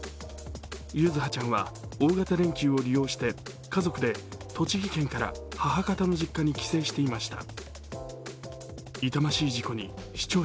柚葉ちゃんは大型連休を利用して、家族で栃木県から母方の実家に帰省していました。